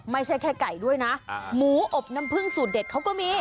ไม่ใช่แค่ไก่ด้วยนะหมูอบน้ำพึ่งสูตรเด็ดเขาก็มี